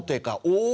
「お！